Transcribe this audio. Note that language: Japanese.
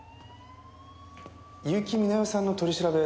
結城美奈世さんの取り調べ